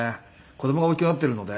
子供が大きくなっているので。